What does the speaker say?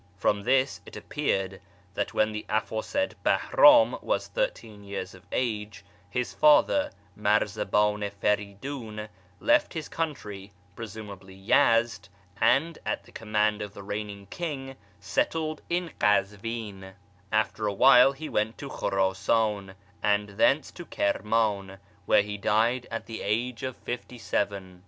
Prom this it appeared that when the aforesaid Bahram was thirteen years of age, his father, Marzaban i Feridun, left his country (presumably Yezd), and, at the command of the reigning King, settled in Kazvin, After a while he went to ELhurasan, and thence to Kirman, where he died at the age of yEZD 393 fifty seven.